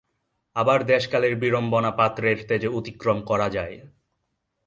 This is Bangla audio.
আবার দেশকালের বিড়ম্বনা পাত্রের তেজে অতিক্রম করা যায়।